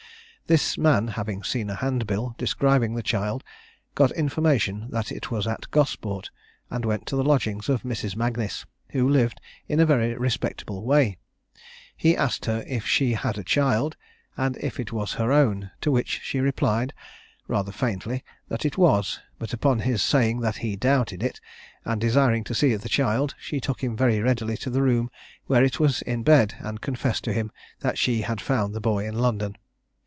This man having seen a hand bill describing the child, got information that it was at Gosport, and went to the lodgings of Mrs. Magnis, who lived in a very respectable way. He asked her if she had a child, and if it was her own; to which she replied, rather faintly, that it was; but upon his saying that he doubted it, and desiring to see the child, she took him very readily to the room where it was in bed, and confessed to him that she had found the boy in London.